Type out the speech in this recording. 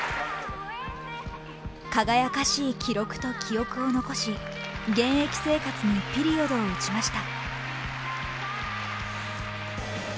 輝かしい記録と記憶を残し、現役生活にピリオドを打ちました。